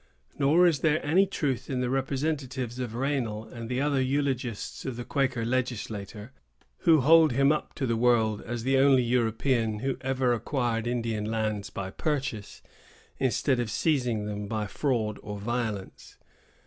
Nor is there any truth in the representations of Raynal and other eulogists of the Quaker legislator, who hold him up to the world as the only European who ever acquired Indian lands by purchase, instead of seizing them by fraud or violence.